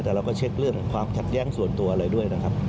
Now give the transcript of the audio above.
แต่เราก็เช็คเรื่องความขัดแย้งส่วนตัวอะไรด้วยนะครับ